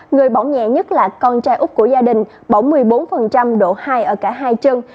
người bỏ nghề nhất là con trai úc của gia đình bỏng một mươi bốn độ hai ở cả hai chân